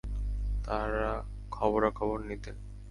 তাঁর খবরাখবর নিতেন।